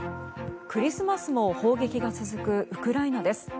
クリスマスも砲撃が続くウクライナです。